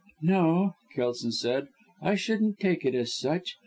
"No," Kelson said, "I shouldn't take it as such.